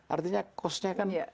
artinya costnya kan